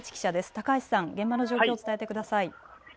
高橋さん、現場の状況を伝えてください。